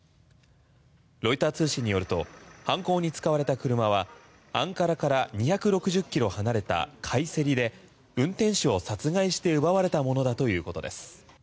ロイター通信によると犯行に使われた車はアンカラから２６０キロ離れたカイセリで運転手を殺害して奪われたものだということです。